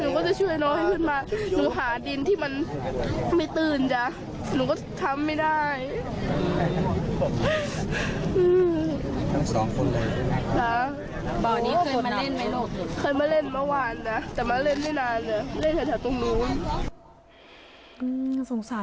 แล้วน้องอีกคนหนึ่งจะขึ้นปรากฏว่าต้องมาจมน้ำเสียชีวิตทั้งคู่